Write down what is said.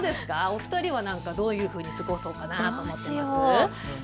お二人はどういうふうに過ごそうかなと考えていますか。